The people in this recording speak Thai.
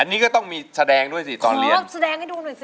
อันนี้ก็ต้องมีแสดงด้วยสิตอนเลี้ยวแสดงให้ดูหน่อยสิ